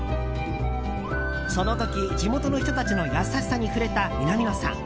その時、地元の人たちの優しさに触れた南野さん。